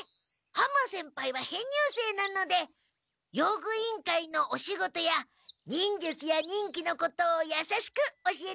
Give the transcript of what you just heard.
浜先輩は編入生なので用具委員会のお仕事や忍術や忍器のことをやさしく教えてあげてますもんね。